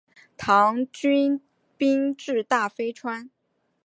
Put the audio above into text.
唐军兵至大非川。